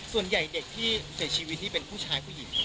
เด็กที่เสียชีวิตนี่เป็นผู้ชายผู้หญิง